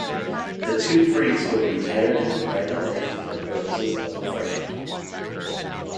The two freaks were retired into private life for purposes of refreshmen